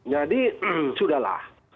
jadi sudah lah